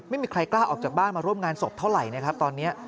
ไม่มีใครกล้าออกจากบ้านมาร่วมงานศพเท่าไหร่นะครับตอนนี้